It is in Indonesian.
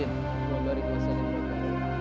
jacket untuk belakangnya